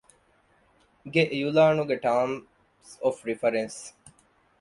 ގެ އިޢުލާންގެ ޓާމްސް އޮފް ރިފަރެންސް